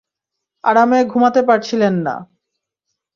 আরামে ঘুমুতে পারছিলেন না।